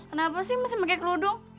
kenapa sih mesti pakai kerudung